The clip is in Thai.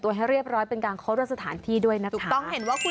ให้เรียบร้อยเป็นการเคารพสถานที่ด้วยนะถูกต้องเห็นว่าคุณ